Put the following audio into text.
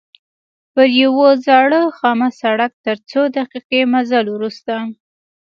پر یوه زاړه خامه سړک تر څو دقیقې مزل وروسته.